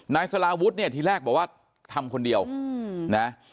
นายสลาวุฒิเนี่ยทีแรกบอกว่าทำคนเดียวนะ